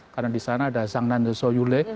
karena di sana ada zhang nanjou yule